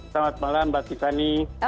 selamat malam mbak tiffany